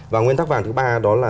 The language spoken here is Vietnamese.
và nguyên tắc vàng thứ ba đó là